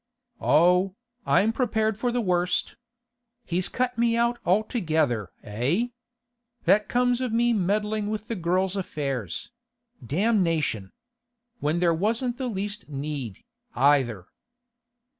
'Oh, I'm prepared for the worst. He's cut me out altogether, eh? That comes of me meddling with the girl's affairs—damnation! When there wasn't the least need, either.